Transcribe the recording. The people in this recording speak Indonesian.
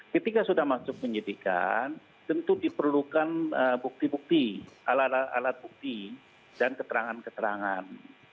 ketika sudah masuk penyidikan tentu diperlukan bukti bukti alat alat bukti dan keterangan keterangan